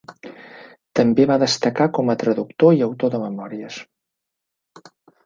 També va destacar com a traductor i autor de memòries.